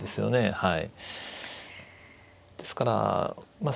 はい。